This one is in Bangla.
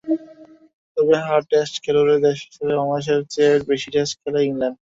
তবে হ্যাঁ, টেস্ট খেলুড়ে দেশ হিসেবে বাংলাদেশের চেয়ে বেশি টেস্ট খেলে ইংল্যান্ড।